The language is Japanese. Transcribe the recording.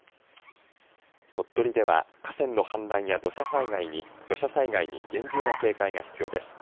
鳥取では河川の氾濫や土砂災害に厳重な警戒が必要です。